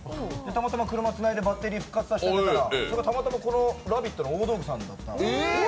たまたま車つないでバッテリーを復活させたら、たまたま「ラヴィット！」の大道具さんだった。